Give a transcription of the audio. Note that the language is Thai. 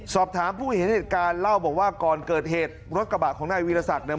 สอบถามผู้เห็นเหตุการณ์เล่าบอกว่าก่อนเกิดเหตุรถกระบะของนายวีรศักดิ์เนี่ย